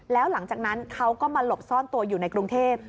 แล้วหลังจากนั้นเขาก็มาหลบซ่อนตัวอยู่ในกรุงเทพ